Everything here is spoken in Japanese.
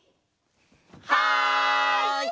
はい！